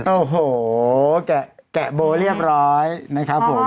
โอ้โหแกะโบเรียบร้อยนะครับผม